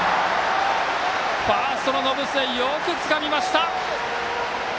ファーストの延末よくつかみました。